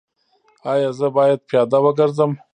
ایا زه باید پیاده وګرځم؟